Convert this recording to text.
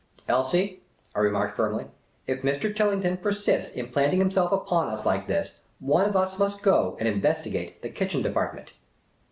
" Elsie," I remarked firmly, " if Mr. Tillington persists in planting himself upon us like this, one of us must go and in vestigate the kitchen department."